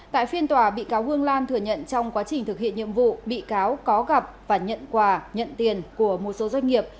tại phiên tòa bị cáo hương lan thừa nhận trong quá trình thực hiện nhiệm vụ bị cáo có gặp và nhận quà nhận tiền của một số doanh nghiệp